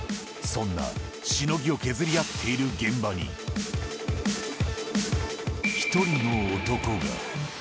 そんなしのぎを削り合っている現場に、一人の男が。